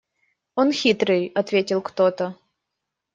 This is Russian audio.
– Он хитрый, – ответил кто-то.